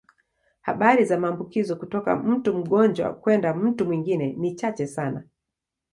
Habari za maambukizo kutoka mtu mgonjwa kwenda mtu mwingine ni chache sana.